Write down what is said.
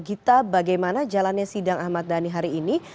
gita bagaimana jalannya sidang ahmad dhani hari ini